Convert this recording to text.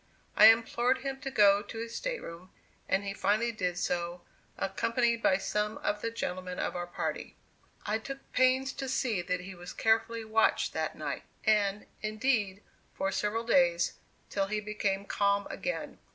I implored him to go to his stateroom, and he finally did so, accompanied by some of the gentlemen of our party. I took pains to see that he was carefully watched that night, and, indeed, for several days, till he became calm again.